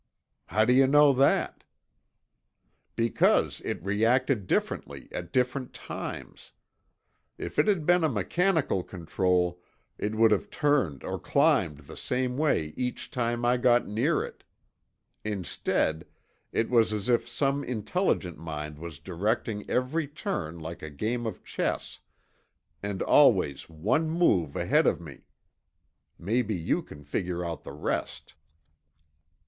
"How do you know that?" "Because it reacted differently at different times. If it had been a mechanical control, it would have turned or climbed the same way each time I got near it. Instead, it was as if some intelligent mind was directing every turn like a game of chess, and always one move ahead of me. Maybe you can figure out the rest."